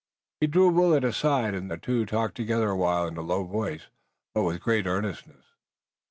He drew Willet aside and the two talked together a while in a low voice, but with great earnestness.